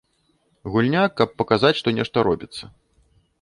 Гульня, каб паказаць, што нешта робіцца.